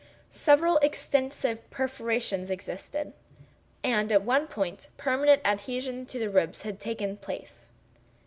Several extensive perforations existed; and, at one point, permanent adhesion to the ribs had taken place.